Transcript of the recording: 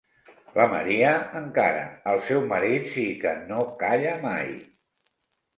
La Maria, encara; el seu marit sí, que no calla mai!